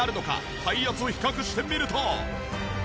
体圧を比較してみると。